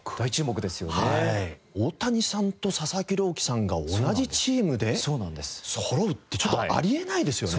大谷さんと佐々木朗希さんが同じチームでそろうってちょっとあり得ないですよね。